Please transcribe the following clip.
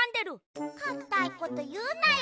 かたいこというなよ。